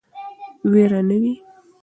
ویر نه وي.